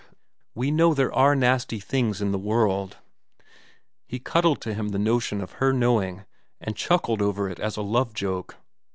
We know there are nasty things in the world! He cuddled to him the notion of her knowing, and chuckled over it as a love joke.